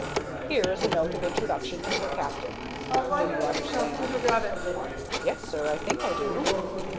Here is a note of introduction to her captain. Do you understand?" "Yes, sir; I think I do."